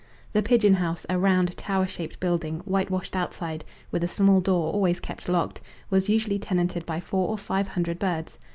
The pigeon house, a round, tower shaped building, whitewashed outside, with a small door always kept locked, was usually tenanted by four or five hundred birds.